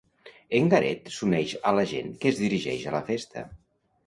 En Garet s'uneix a la gent que es dirigeix a la festa?